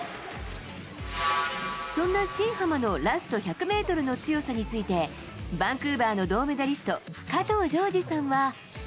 そんな新濱のラスト１００メートルの強さについて、バンクーバーの銅メダリスト、加藤条治さんは。